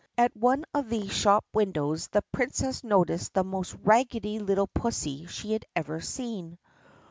At one of these shop windows the Princess noticed the most raggedy little pussy she had even seen.